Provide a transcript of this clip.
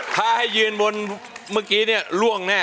ให้ถึงปีหน้า